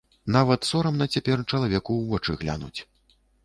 Нават сорамна цяпер чалавеку ў вочы глянуць.